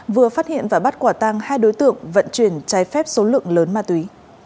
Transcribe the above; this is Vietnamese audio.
vừa phát hiện và bắt quả tăng hai đối tượng vận chuyển trái phép số lượng lớn ma túy